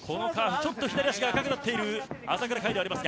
ちょっと左足が赤くなっている朝倉海です。